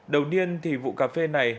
đầu tiên thì vụ cà phê này